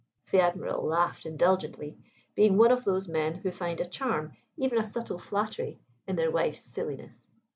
The Admiral laughed indulgently, being one of those men who find a charm, even a subtle flattery, in their wives' silliness.